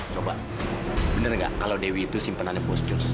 coba bener nggak kalau dewi itu simpenannya bos jos